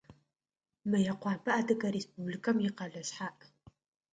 Мыекъуапэ Адыгэ Республикэм икъэлэ шъхьаӏ.